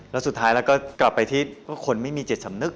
แล้วสุดท้ายแล้วก็กลับไปที่คนไม่มีจิตสำนึก